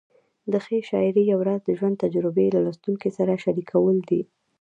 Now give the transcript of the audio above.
د ښې شاعرۍ یو راز د ژوند تجربې له لوستونکي سره شریکول دي.